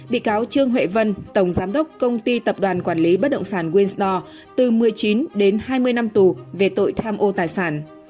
bị cáo trương huệ vân tổng giám đốc công ty tập đoàn quản lý bất động sản winster từ một mươi chín đến hai mươi năm tù về tội tham ô tài sản